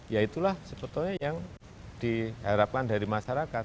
ya itulah sebetulnya yang diharapkan dari masyarakat